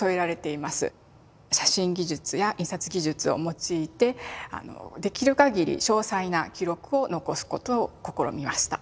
写真技術や印刷技術を用いてできるかぎり詳細な記録を残すことを試みました。